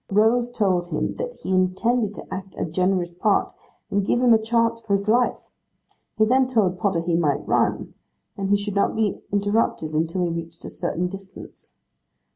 Rose told him that he intended to act a generous part, and give him a chance for his life. He then told Potter he might run, and he should not be interrupted till he reached a certain distance.